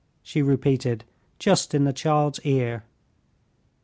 she repeated just in the child's ear.